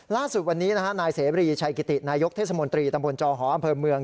ล่าสุดวันนี้นะฮะนายเสรีชัยกิตินายกเทศมนตรีตำบลจอหออำเภอเมือง